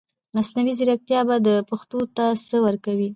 مصنوعي ځرکتيا به پښتو ته سه ورکړٸ